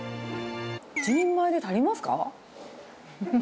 １人前で足りますか？